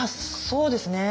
そうですね。